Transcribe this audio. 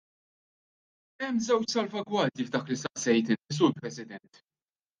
Hemm żewġ salvagwardji f'dak li staqsejt inti, Sur President.